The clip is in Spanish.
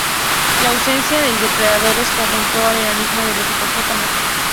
La ausencia de depredadores condujo el enanismo de los hipopótamos.